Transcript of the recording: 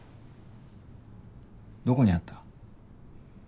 どこにあった？